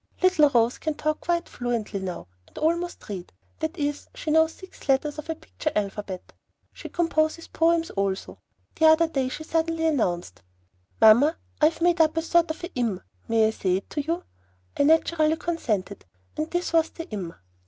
Little Rose can talk quite fluently now, and almost read; that is, she knows six letters of her picture alphabet. She composes poems also. The other day she suddenly announced, "Mamma, I have made up a sort of a im. May I say it to you?" I naturally consented, and this was the IM.